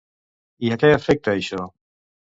I a què afecta això?